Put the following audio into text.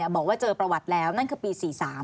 บอกว่าเจอประวัติแล้วนั่นคือปี๔๓